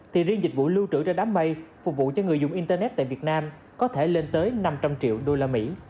thì riêng dịch vụ lưu trữ ra đám mây phục vụ cho người dùng internet tại việt nam có thể lên tới năm trăm linh triệu usd